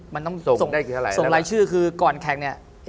มันต้องส่งรายชื่อคือก่อนแข่งเนี่ย